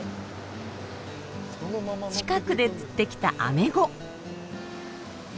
近くで釣ってきたアメゴ。